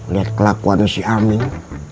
lihat kelakuan si aming